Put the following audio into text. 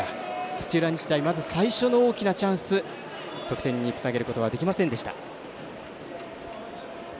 土浦日大、まず最初の大きなチャンス得点につなげることはできませんでした。